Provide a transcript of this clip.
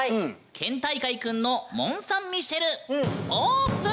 県大会くんの「モン・サン・ミシェル」オープン！